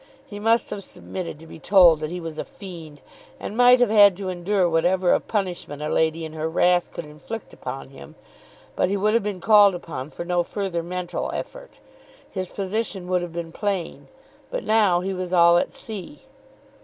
He must have submitted to be told that he was a fiend, and might have had to endure whatever of punishment a lady in her wrath could inflict upon him. But he would have been called upon for no further mental effort. His position would have been plain. But now he was all at sea.